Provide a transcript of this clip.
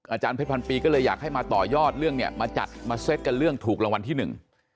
อาจารย์เพชรพันปีก็เลยอยากให้มาต่อยอดเรื่องเนี่ยมาจัดมาเซ็ตกันเรื่องถูกรางวัลที่หนึ่ง